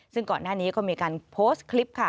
ซึ่งก่อนหน้านี้ก็มีการโพสต์คลิปค่ะ